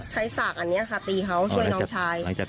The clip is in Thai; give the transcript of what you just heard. สากอันนี้ค่ะตีเขาช่วยน้องชาย